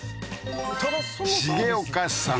重岡さん